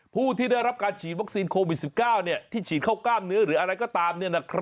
ผู้ที่ได้รับการฉีดวัคซีนโควิด๑๙ที่ฉีดเข้ากล้ามเนื้อหรืออะไรก็ตาม